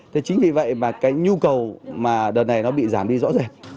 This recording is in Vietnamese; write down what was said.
thế chính vì vậy mà nhu cầu đợt này bị giảm đi rõ ràng